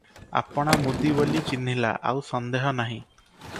ଆପଣା ମୁଦି ବୋଲି ଛିହ୍ନିଲା, ଆଉ ସନ୍ଦେହ ନାହିଁ ।